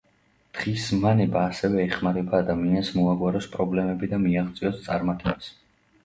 დღის ზმანება ასევე ეხმარება ადამიანებს მოაგვაროს პრობლემები და მიაღწიოს წარმატებას.